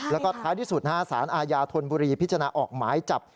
แล้วก็ท้ายที่สุดสารอาญาธนบุรีพิจารณาออกหมายจับ